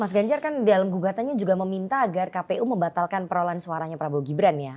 mas ganjar kan dalam gugatannya juga meminta agar kpu membatalkan perolahan suaranya prabowo gibran ya